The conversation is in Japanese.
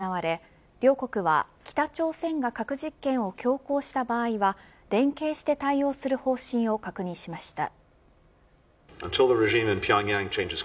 アメリカと韓国の外相会談が行われ両国は、北朝鮮が核実験を強行した場合は連携して対応する方針を確認しました。